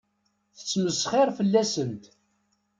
Tettmesxiṛ fell-asent.